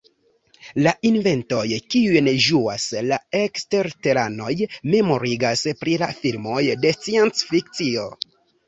La inventoj kiujn ĝuas la eksterteranoj memorigas pri la filmoj de scienc-fikcio.